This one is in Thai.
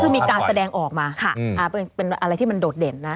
คือมีการแสดงออกมาเป็นอะไรที่มันโดดเด่นนะ